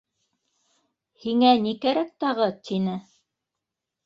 — Һиңә ни кәрәк тағы? — тине.